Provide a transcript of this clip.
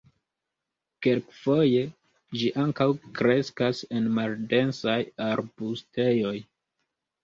Kelkfoje ĝi ankaŭ kreskas en maldensaj arbustejoj.